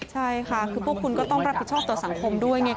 ใช่ค่ะคือพวกคุณก็ต้องรับผิดชอบต่อสังคมด้วยไง